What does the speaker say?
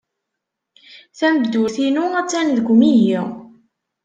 Tameddurt-inu attan deg umihi.